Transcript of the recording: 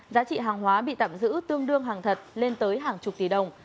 giá trị hàng hóa bị tạm giữ tương đương hàng thật lên tới hàng chục tỷ đồng